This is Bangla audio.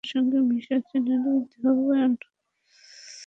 এখানে স্নিগ্ধ হলুদাভ সবুজ রঙের আলোর সঙ্গে মিশে আছে নারী দেহাবয়ব।